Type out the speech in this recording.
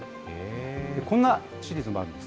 こんなシリーズもあるんです。